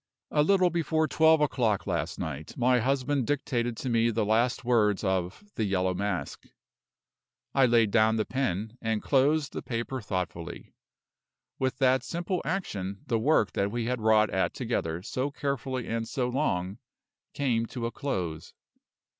A little before twelve o'clock last night, my husband dictated to me the last words of "The Yellow Mask." I laid down the pen, and closed the paper thoughtfully. With that simple action the work that we had wrought at together so carefully and so long came to a close.